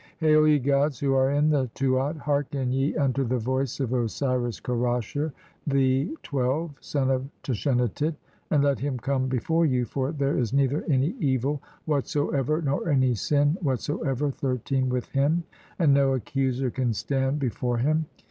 "Hail, ye gods who are in the Tuat, hearken ye "unto the voice of Osiris Kerasher, the (12) son of "Tashenatit, and let him come before you, for there "is neither any evil whatsoever, nor any sin what soever (i3) with him, and no accuser can stand [be fore him].